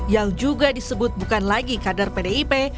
yang juga disebut bukan lagi kader pdip